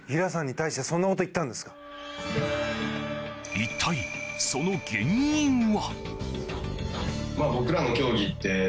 一体その原因は。